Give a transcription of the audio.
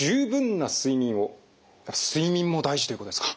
睡眠も大事ということですか？